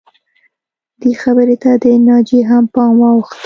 دې خبرې ته د ناجیې هم پام واوښته